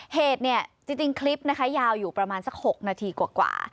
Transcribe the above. เหตุนี่จริงคลิปยาวอยู่ประมาณ๖นาทีกว่า